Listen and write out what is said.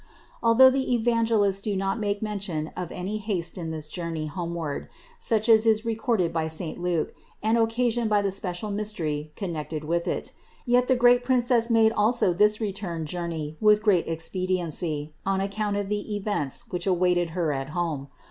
Al though the Evangelists do not make mention of any haste in this journey homeward, such as is recorded by saint Luke and occasioned by the special mystery connected with it, yet the great Princess made also this return journey with great expediency, on account of the events which awaited Her at home.